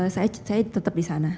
saya tetap di sana